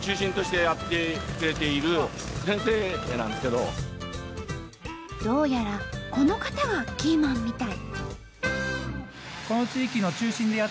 どうやらこの方がキーマンみたい。